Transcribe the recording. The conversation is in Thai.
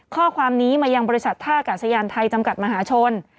ข้อความนี้มายังบริษัทท่ากาศยานไทยจำกัดมหาชน